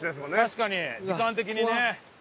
確かに時間的にね。